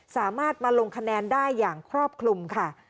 สามารถมาลงคะแนนได้อย่างครอบคลุมค่ะ